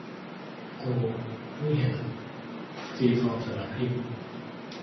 โอว เพิ่งเห็น ฟรีฟอร์มสำนักพิมพ์